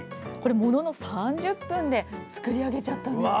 ものの３０分で作り上げちゃったんです。